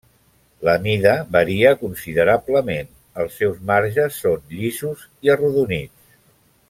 La mida varia considerablement, els seus marges són llisos i arrodonits.